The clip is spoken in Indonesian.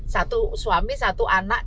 satu suami satu anak